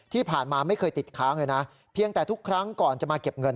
ที่ผ่านมาไม่เคยติดค้างเลยนะเพียงแต่ทุกครั้งก่อนจะมาเก็บเงิน